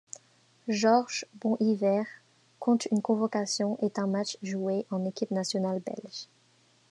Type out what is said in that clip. Georges Bonhivers compte une convocation et un match joué en équipe nationale belge.